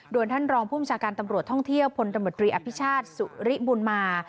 โดยท่านรองภูมิชาการตำรวจท่องเที่ยวพลตำรวจรีอภิชาติสุริบุญมา